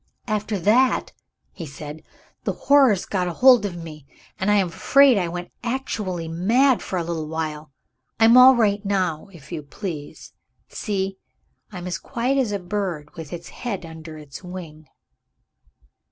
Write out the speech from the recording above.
"After that," he said, "the horrors got hold of me; and I am afraid I went actually mad, for a little while. I'm all right now, if you please. See! I'm as quiet as a bird with its head under its wing."